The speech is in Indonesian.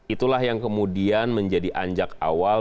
itulah yang kemudian menjadi anjak awal